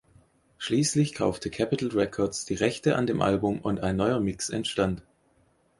Schließlich kaufte Capitol Records die Rechte an dem Album und ein neuer Mix entstand.